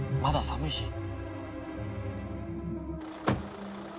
まだ寒いし。